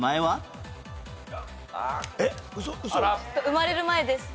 生まれる前です。